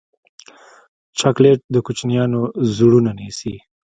چاکلېټ د کوچنیانو زړونه نیسي.